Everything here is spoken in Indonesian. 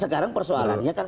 sekarang persoalannya kan